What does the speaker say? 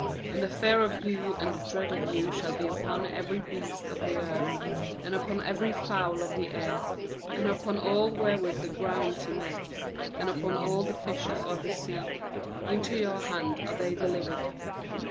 2And the. fear of you and the dread of you shall be upon every beast of the earth, and upon every fowl of the air, and upon all wherewith the ground teemeth, and upon all the fishes of the sea: into your hand are they delivered.